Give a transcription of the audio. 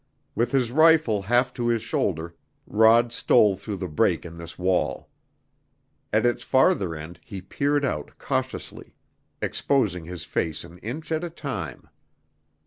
With his rifle half to his shoulder Rod stole through the break in this wall. At its farther end he peered out cautiously, exposing his face an inch at a time.